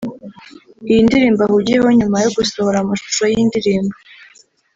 Iyi ndirimbo ahugiyeho nyuma yo gusohora amashusho y’indirimbo